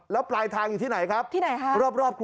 แล้วปลายทางอยู่ที่ไหนครับ